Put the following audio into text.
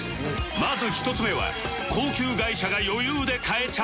まず１つ目は高級外車が余裕で買えちゃう！？